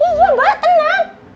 iya mbak tenang